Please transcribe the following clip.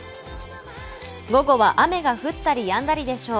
午後は雨が降ったりやんだりでしょう。